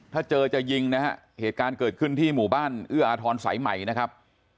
ถ้าเจอจะยิงนะฮะเหตุการณ์เกิดขึ้นที่หมู่บ้านเอื้ออาทรสายใหม่นะครับ